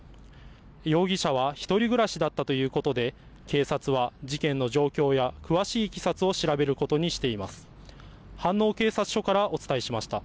容疑者は１人暮らしだったということで、警察は事件の状況や詳しいいきさつを調べることにしています。